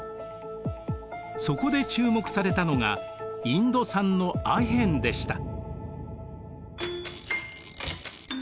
そこで注目されたのがインド産のアヘンでした。